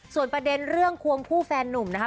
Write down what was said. ส่วนประเด็นเรื่องควงคู่แฟนนุ่มนะคะ